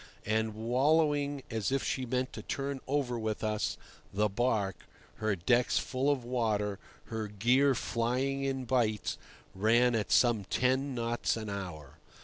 And, wallowing as if she meant to turn over with us, the barque, her decks full of water, her gear flying in bights, ran at some ten knots an hour.